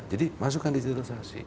jadi masukkan digitalisasi